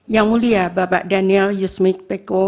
yang mulia bapak daniel yusmik peko